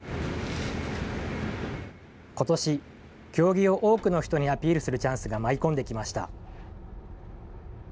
ことし、経木を多くの人にアピールするチャンスが舞い込んできました。